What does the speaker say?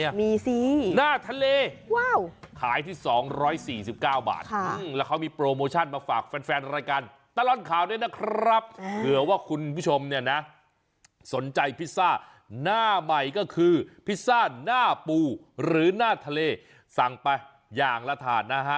มีสิหน้าทะเลว้าวขายที่๒๔๙บาทแล้วเขามีโปรโมชั่นมาฝากแฟนแฟนรายการตลอดข่าวด้วยนะครับเผื่อว่าคุณผู้ชมเนี่ยนะสนใจพิซซ่าหน้าใหม่ก็คือพิซซ่าหน้าปูหรือหน้าทะเลสั่งไปอย่างละถาดนะฮะ